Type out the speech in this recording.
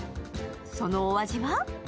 そのお味は？